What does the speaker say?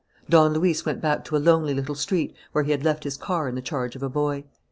Don Luis went back to a lonely little street where he had left his car in the charge of a boy.